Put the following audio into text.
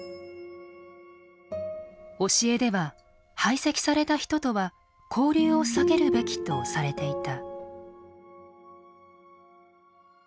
教えでは排斥された人とは交流を避けるべきとされていた。